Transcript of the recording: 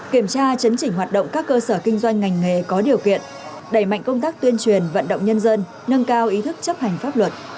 kiểm tra chấn chỉnh hoạt động các cơ sở kinh doanh ngành nghề có điều kiện đẩy mạnh công tác tuyên truyền vận động nhân dân nâng cao ý thức chấp hành pháp luật